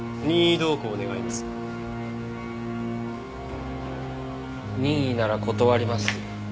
任意なら断ります。